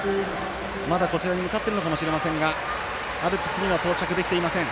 まだ、こちらに向かっているのかもしれませんがアルプスには到着できていません。